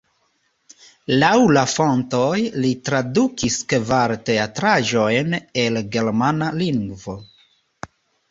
Laŭ la fontoj li tradukis kvar teatraĵojn el germana lingvo.